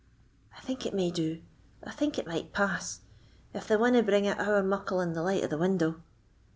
"I think it may do—I think it might pass, if they winna bring it ower muckle in the light o' the window!"